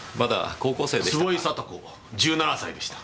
坪井里子１７歳でした。